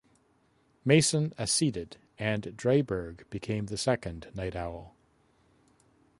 Mason acceded and Dreiberg became the second Nite Owl.